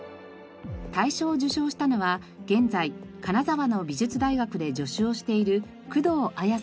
大賞を受賞したのは現在金沢の美術大学で助手をしている工藤彩さん。